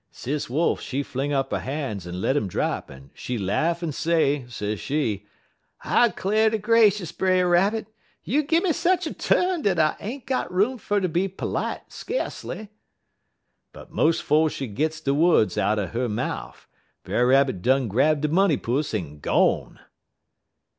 "Sis Wolf, she fling up 'er han's en let um drap, en she laugh en say, sez she: "'I 'clar' ter gracious, Brer Rabbit! You gimme sech a tu'n, dat I ain't got room ter be perlite skacely.' "But mos' 'fo' she gits de wuds out'n 'er mouf, Brer Rabbit done grab de money pus en gone!"